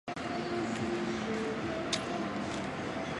松江城是位于日本岛根县松江市殿町的城堡。